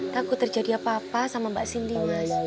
takut terjadi apa apa sama mbak cindy